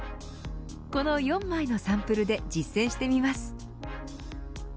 この４枚のサンプルで実践してみます。